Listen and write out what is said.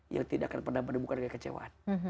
yang tidak akan pernah menemukan kekecewaan